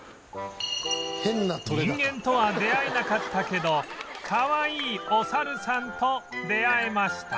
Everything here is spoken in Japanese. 人間とは出会えなかったけどかわいいお猿さんと出会えました